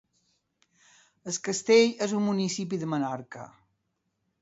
Es Castell és un municipi de Menorca.